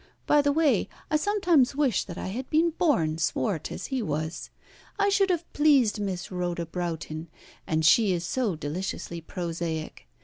By the way, I sometimes wish that I had been born swart as he was. I should have pleased Miss Rhoda Broughton, and she is so deliciously prosaic.